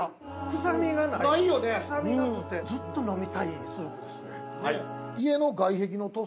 臭みがない臭みなくてずっと飲みたいスープですね。